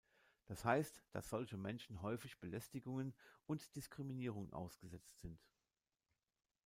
Das heißt, dass solche Menschen häufig Belästigungen und Diskriminierung ausgesetzt sind.